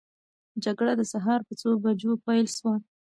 جګړه د سهار په څو بجو پیل سوه؟